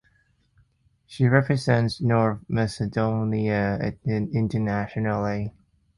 She represents North Macedonia internationally.